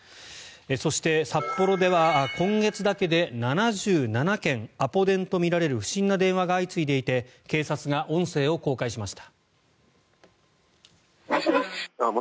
そして、札幌では今月だけで７７件アポ電とみられる不審な電話が相次いでいて警察が音声を公開しました。